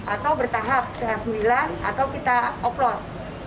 atau bertahap kelas sembilan atau kita oplos sembilan delapan tujuh